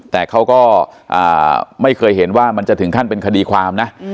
แต่เขาก็ไม่เคยเห็นว่ามันจะถึงขั้นเป็นคดีความนะ